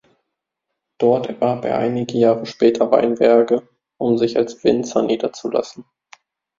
Dort erwarb er einige Jahre später Weinberge, um sich als Winzer niederzulassen.